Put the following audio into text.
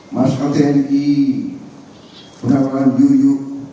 masyarakat tni penagrawan juyuk